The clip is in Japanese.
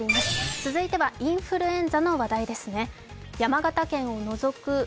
続いてはインフルエンザの話題ですね。